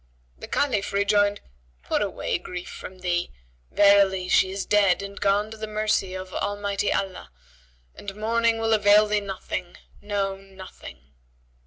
The Caliph rejoined, "Put away grief from thee: verily she is dead and gone to the mercy of Almighty Allah and mourning will avail thee nothing; no, nothing."